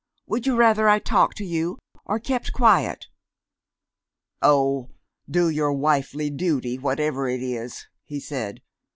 Would you rather I talked to you, or kept quiet?" "Oh, do your wifely duty, whatever it is," he said....